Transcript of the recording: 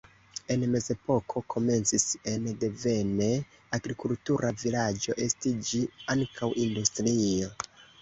En mezepoko komencis en devene agrikultura vilaĝo estiĝi ankaŭ industrio.